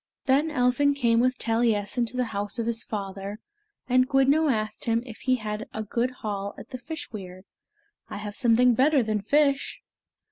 Then Elphin came with Taliessin to the house of his father, and Gwyddno asked him if he had a good haul at the fish weir. "I have something better than fish."